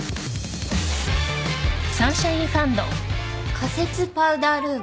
仮設パウダールーム？